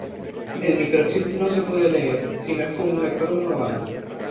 El microchip no se puede leer si no es con un lector homologado.